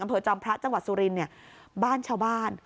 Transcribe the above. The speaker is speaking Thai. อำเภอจอมพระจังหวัดสุรินบ้านชาวบ้าน